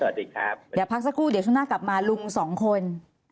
เดี๋ยวพักสักครู่เดี๋ยวช่วงหน้ากลับมาลุงสองคน